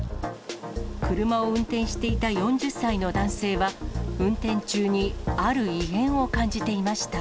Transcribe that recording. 車を運転していた４０歳の男性は、運転中にある異変を感じていました。